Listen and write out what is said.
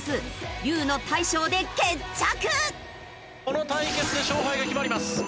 この対決で勝敗が決まります。